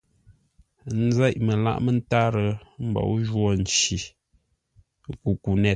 N nzêʼ məlâʼ mə́tárə́ mbǒu jwô nci kukunét.